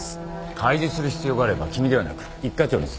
開示する必要があれば君ではなく１課長に伝える。